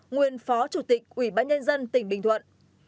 hai nguyễn phó chủ tịch ủy bãi nhân dân tỉnh bình thuận